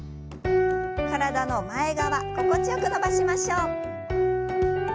体の前側心地よく伸ばしましょう。